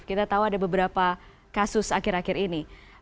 kita tahu ada beberapa kasus akhir akhir ini